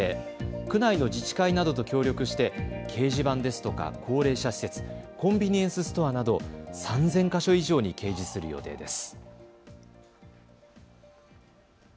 区内の自治会などと協力して掲示板ですとか高齢者施設コンビニエンスストアなど３０００か所以上に掲示する予定です。